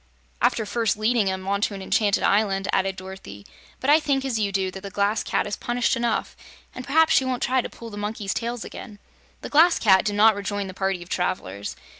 "After first leading 'em onto an enchanted island," added Dorothy. "But I think, as you do, that the Glass Cat is punished enough, and p'raps she won't try to pull the monkeys' tails again." The Glass Cat did not rejoin the party of travelers.